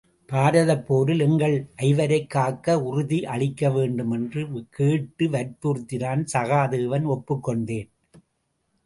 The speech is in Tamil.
பாரதப்போரில் எங்கள் ஐவரைக் காக்க உறுதி அளிக்கவேண்டும் என்று கேட்டு வற்புறுத்தினான் சகா தேவன் ஒப்புக் கொண்டேன்.